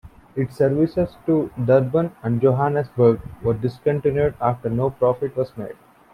Its services to Durban and Johannesburg were discontinued after no profit was made.